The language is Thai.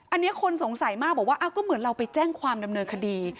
อันนี้คนสงสัยมากบอกว่าก็เหมือนเราไปแจ้งความดำเนินคดี